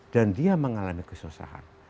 dan dia mengalami kesusahan